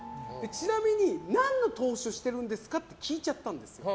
ちなみに何の投資をしてるんですかって聞いちゃったんです。